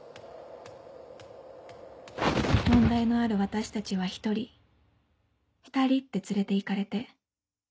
問題のある私たちは１人２人って連れて行かれて。